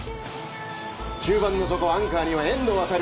中盤の底、アンカーには遠藤航。